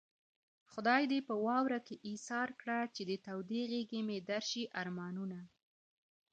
خدای دې په واورو کې ايسار کړه چې د تودې غېږې مې درشي ارمانونه